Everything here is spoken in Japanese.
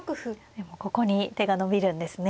でもここに手が伸びるんですね